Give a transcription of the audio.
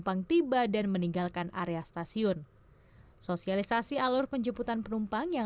ingin mempermudah atau memberikan kenyamanan dan keamanan